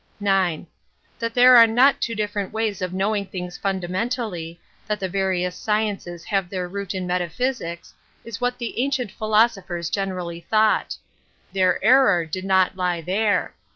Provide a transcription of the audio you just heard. ^^ IX. That there are not two difEerent " ways of knowing things fundamentally, that the various sciences have their root in metaphysics, is what the ancient p hi loBO _ '>l phers generally thought. Their error did not lie there.